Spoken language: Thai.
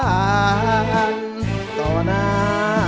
ไม่ใช้ครับไม่ใช้ครับ